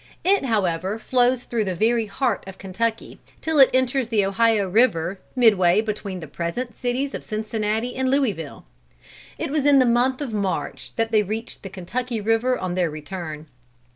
It however flows through the very heart of Kentucky, till it enters the Ohio river, midway between the present cities of Cincinnati and Louisville. It was in the month of March that they reached the Kentucky river on their return.